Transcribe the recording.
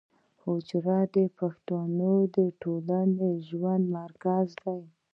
حجره د پښتنو د ټولنیز ژوند مرکز دی.